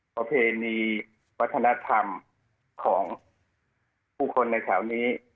ประเพณีวัฒนธรรมของผู้คนในแถวนี้